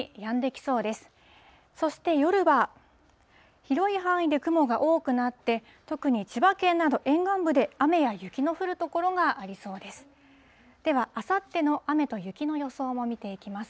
そして夜は広い範囲で雲が多くなって、特に千葉県など沿岸部で雨や雪の降る所がありそうです。